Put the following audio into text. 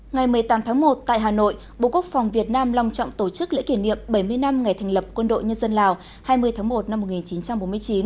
ngày một mươi tám tháng một tại hà nội bộ quốc phòng việt nam long trọng tổ chức lễ kỷ niệm bảy mươi năm ngày thành lập quân đội nhân dân lào hai mươi tháng một năm một nghìn chín trăm bốn mươi chín